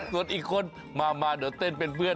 ส่วนอีกคนมาเดี๋ยวเต้นเป็นเพื่อน